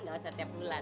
gak usah tiap bulan